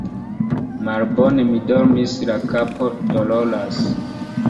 Malbone mi dormis, la kapo doloras.